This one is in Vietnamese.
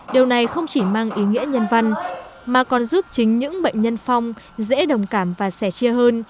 điều này không chỉ mang ý nghĩa nhân văn mà còn giúp chính những bệnh nhân phong dễ đồng cảm và sẻ chia hơn